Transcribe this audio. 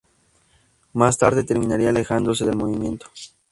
Más tarde terminaría alejándose del movimiento.